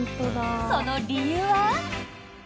その理由は。